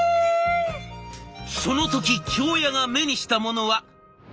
その時京谷が目にしたものは。